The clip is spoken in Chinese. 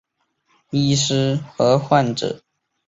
医师和患者认为它会造成心智功能的伤害。